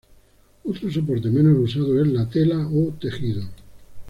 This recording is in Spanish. Otro soporte menos usado es la tela o tejido.